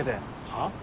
はっ？